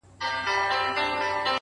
اوس په خوب کي هره شپه زه خوبان وینم,